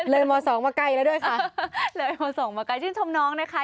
ม๒มาไกลแล้วด้วยค่ะเลยม๒มาไกลชื่นชมน้องนะคะ